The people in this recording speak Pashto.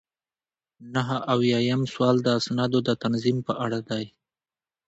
نهه اویایم سوال د اسنادو د تنظیم په اړه دی.